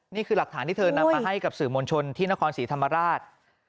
นี่คือหลักฐานที่เธอนำมาให้กับสื่อมวลชนที่นครศรีธรรมราช